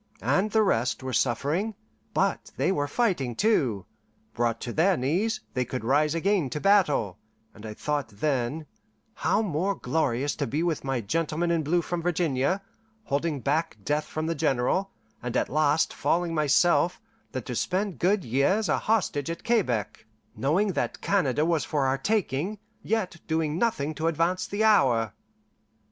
and the rest were suffering, but they were fighting too. Brought to their knees, they could rise again to battle; and I thought then, How more glorious to be with my gentlemen in blue from Virginia, holding back death from the General, and at last falling myself, than to spend good years a hostage at Quebec, knowing that Canada was for our taking, yet doing nothing to advance the hour!